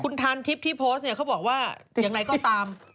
คุณทานทิพย์ที่โพสต์เนี่ยเขาบอกว่าอย่างไรก็ตาม